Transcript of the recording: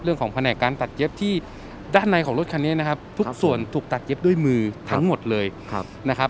แผนกการตัดเย็บที่ด้านในของรถคันนี้นะครับทุกส่วนถูกตัดเย็บด้วยมือทั้งหมดเลยนะครับ